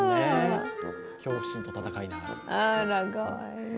恐怖心と闘いながら。